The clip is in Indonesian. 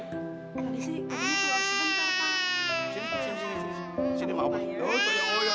di sini di sini di sini makasih